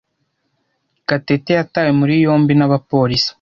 Gatete yatawe muri yombi n'abapolisi.